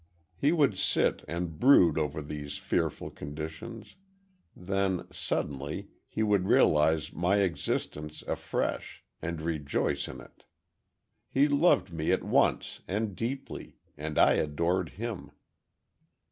"He would sit and brood over these fearful conditions, then, suddenly he would realize my existence afresh, and rejoice in it. He loved me at once and deeply—and I adored him.